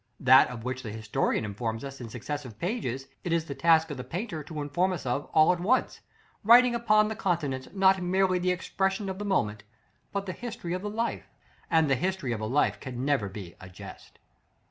That of which the historian informs us in successive pages, it is the task of the painter to inform us of at once, writing upon the countenance not merely the expression of the moment, but the history of the life: and the history of a life can never be a jest.